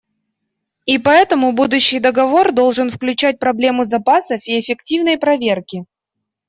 И поэтому будущий договор должен включать проблему запасов и эффективной проверки.